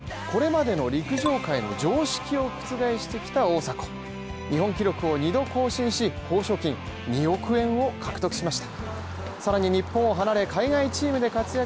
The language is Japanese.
引退を表明して挑んだオリンピックこれまでの陸上界の常識を覆してきた大迫、日本記録を２度更新し賞金２億円を獲得しました。